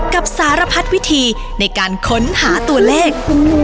กับสารพัดวิธีในการค้นหาตัวเลข